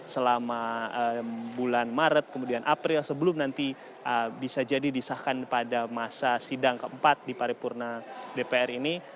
selama bulan maret kemudian april sebelum nanti bisa jadi disahkan pada masa sidang keempat di paripurna dpr ini